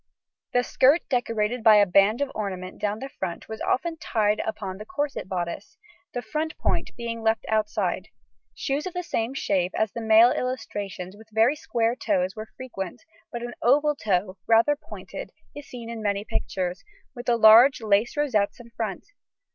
The skirt decorated by a band of ornament down the front was often tied upon the corset bodice, the front point being left outside. Shoes of the same shape as the male illustrations, with very square toes, were frequent, but an oval toe, rather pointed, is seen in many pictures, with the large lace rosettes in front.